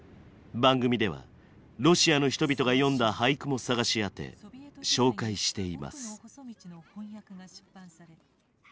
番組ではロシアの人々が詠んだ俳句も探し当て紹介しています。